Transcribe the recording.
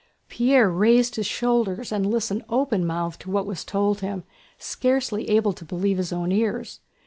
Pierre raised his shoulders and listened open mouthed to what was told him, scarcely able to believe his own ears.